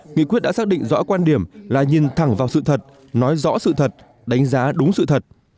nghị quyết đã xác định rõ quan điểm là nhìn thẳng vào sự thật nói rõ sự thật đánh giá đúng sự thật